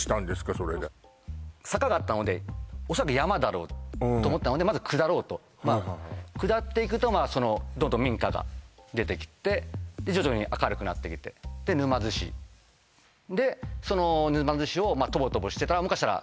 それで坂があったのでおそらく山だろうと思ったのでまず下ろうと下っていくとどんどん民家が出てきてでその沼津市をとぼとぼしてたらもしかしたら